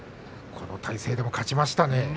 この体勢でも勝ちましたね。